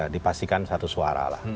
dipastikan satu suara lah